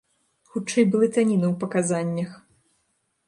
Хутчэй блытаніна ў паказаннях.